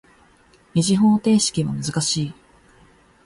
二次方程式は難しい。